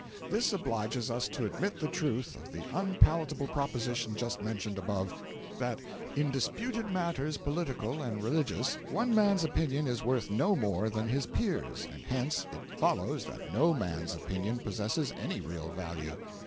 This obliges us to admit the truth of the unpalatable proposition just mentioned above that in disputed matters political and religious one man's opinion is worth no more than his peer's, and hence it follows that no man's opinion possesses any real value.